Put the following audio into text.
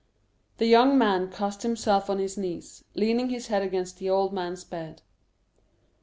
The young man cast himself on his knees, leaning his head against the old man's bed.